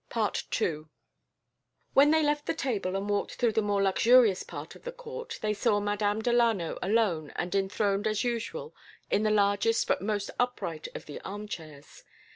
II When they left the table and walked through the more luxurious part of the court, they saw Madame Delano alone and enthroned as usual in the largest but most upright of the armchairs.